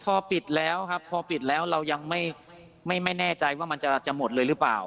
พอปิดแล้วครับพอปิดแล้วเรายังไม่แน่ใจว่ามันจะหมดเลยหรือเปล่า